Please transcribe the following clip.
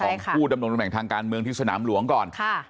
ของผู้ดำรงตำแหน่งทางการเมืองที่สนามหลวงก่อน